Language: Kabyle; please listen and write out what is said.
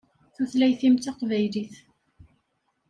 Tutlayt-im d taqbaylit.